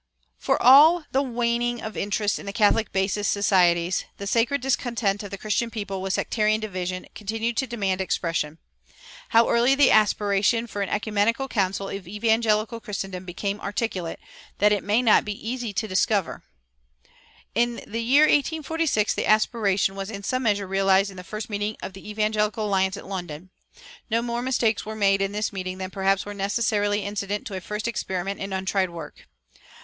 For all the waning of interest in the "catholic basis" societies, the sacred discontent of the Christian people with sectarian division continued to demand expression. How early the aspiration for an ecumenical council of evangelical Christendom became articulate, it may not be easy to discover[408:1] In the year 1846 the aspiration was in some measure realized in the first meeting of the Evangelical Alliance at London. No more mistakes were made in this meeting than perhaps were necessarily incident to a first experiment in untried work.